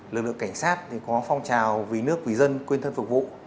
lực lượng cảnh sát có phong trào vì nước vì dân quên thân phục vụ